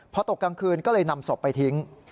พอตกกลางคืนก็เลยนำศพไปทิ้ง